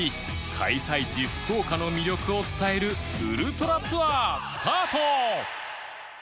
開催地福岡の魅力を伝えるウルトラツアースタート！